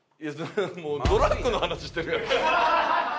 もうドラッグの話してるやん。